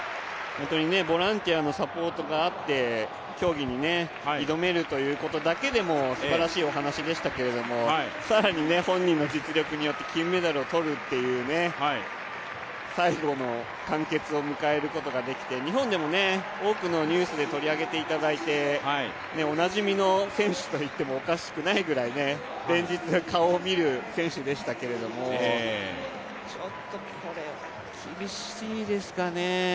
ボランティアのサポートがあって競技に挑めるということだけでもすばらしいお話でしたけれども、更に本人の実力によって金メダルを取るという最後の完結を迎えることができて日本でも多くのニュースで取り上げていただいて、おなじみの選手といってもおかしくないくらい、連日、顔を見る選手でしたけれどもちょっとこれは厳しいですかね。